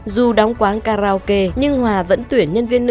dù đóng quán karaoke nhưng hòa vẫn tuyển nhân viên nữ